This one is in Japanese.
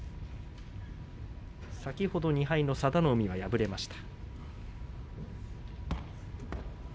先ほど、２敗の佐田の海敗れました。